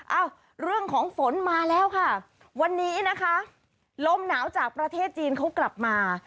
เอ้าเรื่องของฝนมาแล้วค่ะวันนี้นะคะลมหนาวจากประเทศจีนเขากลับมา